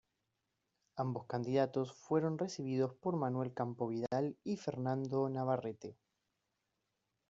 Ambos candidatos fueron recibidos por Manuel Campo Vidal y Fernando Navarrete.